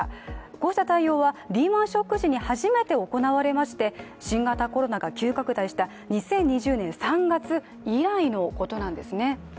こうした対応はリーマン・ショック時に初めて行われ、新型コロナが急拡大した２０２０年３月以来のことなんですね。